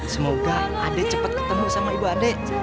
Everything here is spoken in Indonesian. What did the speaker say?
semoga adek cepat ketemu sama ibu adek